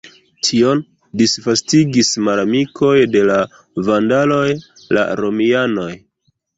Tion disvastigis malamikoj de la vandaloj, la romianoj.